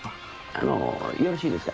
あのよろしいですか？